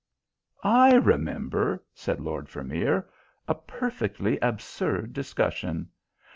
"I remember," said Lord Vermeer. "A perfectly absurd discussion.